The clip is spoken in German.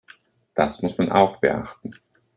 Das muss man auch beachten.